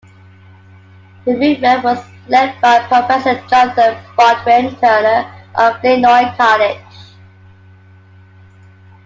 The movement was led by Professor Jonathan Baldwin Turner of Illinois College.